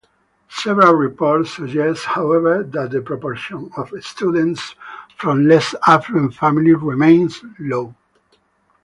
Several reports suggest, however, that the proportion of students from less-affluent families remains low.